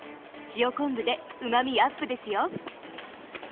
塩昆布でうまみアップですよ。